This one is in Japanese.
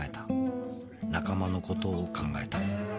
「仲間の事を考えた」